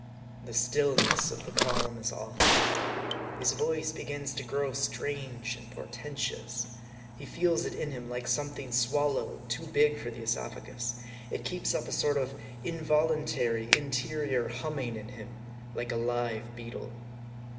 The stillness of the calm is awful. His voice begins to grow strange and portentous. He feels it in him like some thing swallowed too big for the esophagus. It keeps up a sort of involuntary interior humming in him, like a live beetle.